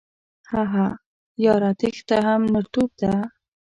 هههههه یاره تیښته هم نرتوب ده